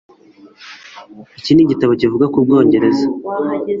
Iki ni igitabo kivuga ku Bwongereza